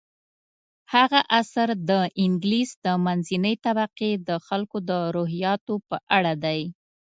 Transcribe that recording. هغه اثر د انګلیس د منځنۍ طبقې د خلکو د روحیاتو په اړه دی.